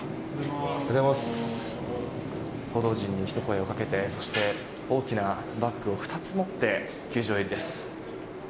報道陣にひと声かけてそして、大きなバッグを２つ持って、球場入りです。